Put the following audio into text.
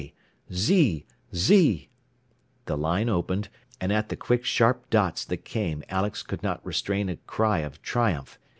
Z, Z " The line opened, and at the quick sharp dots that came Alex could not restrain a cry of triumph.